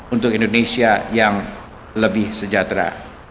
untuk indonesia yang lebih sejahtera